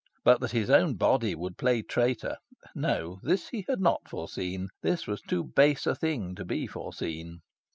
But that his own body would play traitor no, this he had not foreseen. This was too base a thing to be foreseen.